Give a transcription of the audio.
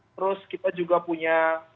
terus kita juga punya